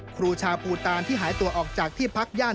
ครูชาวภูตานที่หายตัวออกจากที่พักย่าน